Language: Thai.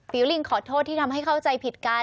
ลิงขอโทษที่ทำให้เข้าใจผิดกัน